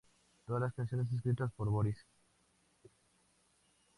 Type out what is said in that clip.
Todas las canciones escritas por Boris.